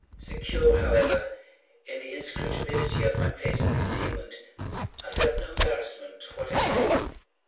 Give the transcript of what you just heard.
Secure, however, in the inscrutability of my place of concealment, I felt no embarrassment whatever.